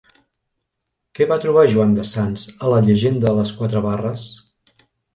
Què va trobar Joan de Sans a la llegenda de les quatre barres?